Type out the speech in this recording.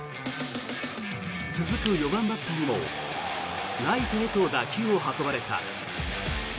続く４番バッターにもライトへと打球を運ばれた。